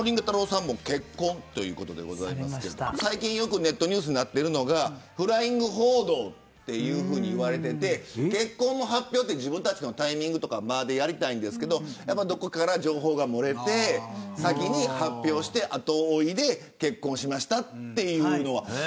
さんも結婚ということで最近よくネットニュースになっているのがフライング報道といわれてて結婚の発表は自分たちのタイミングとかでやりたいんですがどこかから情報が漏れていて先に発表して、後追いで結婚しましたというのが。